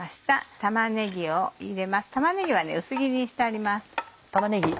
玉ねぎは薄切りにしてあります。